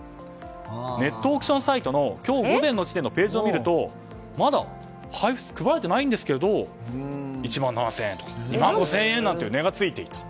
ネットオークションサイトの今日午前の時点のページを見るとまだ配られていないんですが１万７０００円とか２万５０００円とかいう値がついていた。